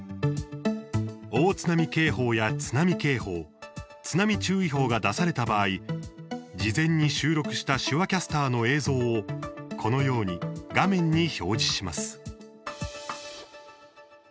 大津波警報や津波警報津波注意報が出された場合事前に収録した手話キャスターの映像をこのように画面に表示します。